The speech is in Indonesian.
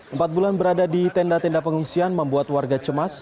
empat bulan berada di tenda tenda pengungsian membuat warga cemas